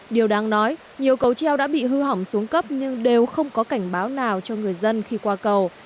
điều đáng nói nhiều cầu treo đã bị hư hỏng xuống cấp nhưng đều không có cảnh báo nào cho người dân khi qua cầu